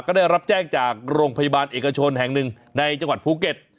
ก็ได้รับแจ้งจากโรงพยาบาลเอกชนแห่งหนึ่งในจังหวัดภูเก็ต